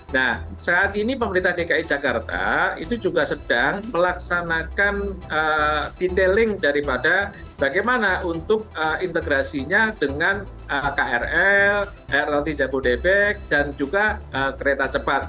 nah saat ini pemerintah dki jakarta itu juga sedang melaksanakan detailing daripada bagaimana untuk integrasinya dengan krl rrt jabodebek dan juga kereta cepat